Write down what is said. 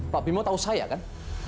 pak bimo tahu saya kan